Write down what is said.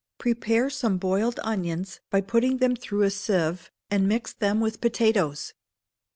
Prepare some boiled onions, by putting them through a sieve, and mix them with potatoes.